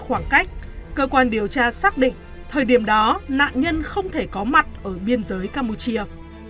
khoảng cách cơ quan điều tra xác định thời điểm đó nạn nhân không thể có mặt ở biên giới campuchia